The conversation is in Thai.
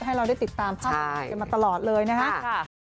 ให้เราได้ติดตามพักมาตลอดเลยนะครับนะครับค่ะ